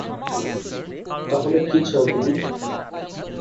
তাহলে কী চাও তুমি?